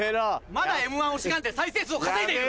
まだ『Ｍ−１』をしがんで再生数を稼いでいる！